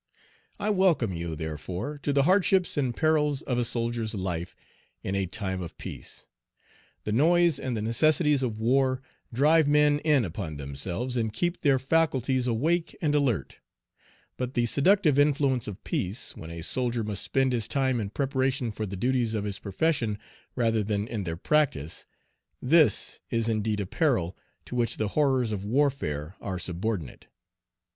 I welcome you, therefore, to the hardships and perils of a soldier's life in a time of peace. The noise and the necessities of war drive men in upon themselves and keep their faculties awake and alert; but the seductive influence of peace, when a soldier must spend his time in preparation for the duties of his profession rather than in their practice, this is indeed a peril to which the horrors of warfare are subordinate.